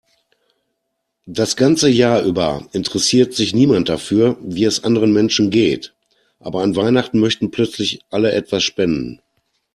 Das ganze Jahr über interessiert sich niemand dafür, wie es anderen Menschen geht, aber an Weihnachten möchten plötzlich alle etwas spenden.